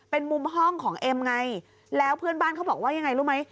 เป็นมุมห้องของเอ็มไงแล้วเพื่อนบ้านเขาบอกว่ายังไงรู้ไหม